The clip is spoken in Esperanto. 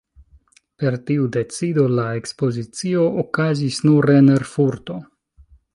Per tiu decido la ekspozicio okazis nur en Erfurto.